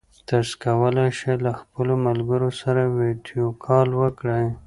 تاسي کولای شئ له خپلو ملګرو سره ویډیو کال وکړئ.